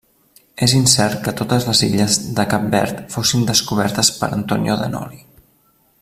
És incert que totes les illes de Cap Verd fossin descobertes per Antonio de Noli.